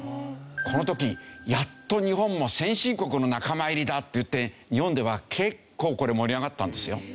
この時やっと日本も先進国の仲間入りだっていって日本では結構これ盛り上がったんですよ。